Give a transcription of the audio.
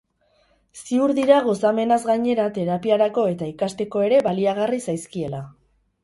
Ziur dira gozamenaz gainera, terapiarako eta ikasteko ere baliagarri zaizkiela.